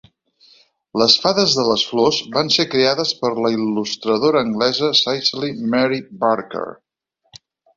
Les Fades de les Flors van ser creades per la il·lustradora anglesa Cicely Mary Barker.